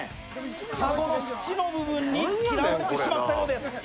かごの縁の部分に嫌われてしまったようです。